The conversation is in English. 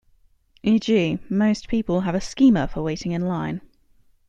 E.g., most people have a schema for waiting in line.